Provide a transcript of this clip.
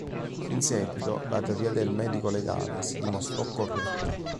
In seguito, la teoria del medico legale si dimostrò corretta.